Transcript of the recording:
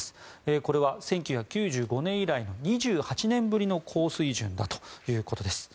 これは１９９５年以来２８年ぶりの高水準だということです。